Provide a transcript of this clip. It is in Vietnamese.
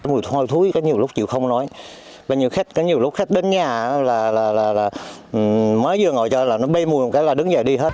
mùi hôi thối có nhiều lúc chịu không nói có nhiều lúc khách đến nhà là mới vừa ngồi chơi là nó bê mùi một cái là đứng dậy đi hết